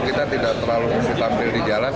kita tidak terlalu mesti tampil di jalan